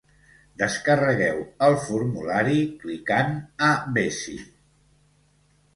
Descarregueu el formulari clicant a "Ves-hi".